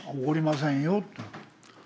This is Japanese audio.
「怒りませんよ」と。